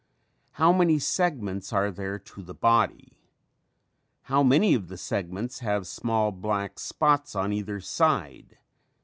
How many segments are there to the body? How many of the segments have small black spots on either side?